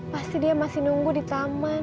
pasti dia masih nunggu di taman